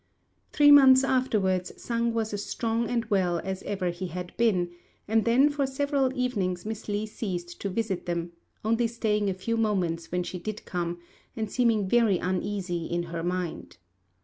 Three months afterwards Sang was as strong and well as ever he had been, and then for several evenings Miss Li ceased to visit them, only staying a few moments when she did come, and seeming very uneasy in her mind.